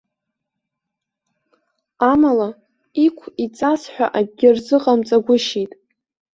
Амала, иқә-иҵас ҳәа акгьы рзыҟамҵагәышьеит.